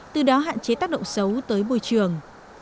từ đó hạn chế tác động xấu tới môi trường